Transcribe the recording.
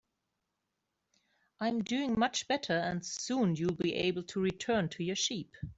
I'm doing much better, and soon you'll be able to return to your sheep.